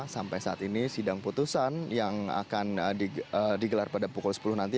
sampai saat ini sidang putusan yang akan digelar pada pukul sepuluh nanti